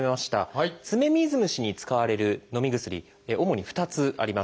爪水虫に使われるのみ薬主に２つあります。